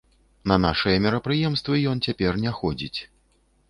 На нашыя мерапрыемствы ён цяпер не ходзіць.